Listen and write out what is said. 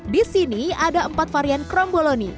disini ada empat varian kromboloni